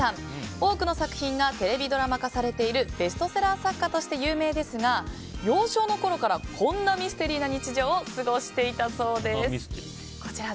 多くの作品がテレビドラマ化されているベストセラー作家として有名ですが幼少のころからこんなミステリーな日常を過ごしていたそうです。